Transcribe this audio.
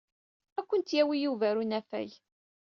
Ad kent-yawi Yuba ɣer unafag.